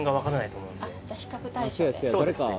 比較対象でそうですね